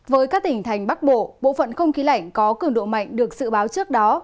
với các tỉnh thành bắc bộ bộ phận không khí lạnh có cường độ mạnh được dự báo trước đó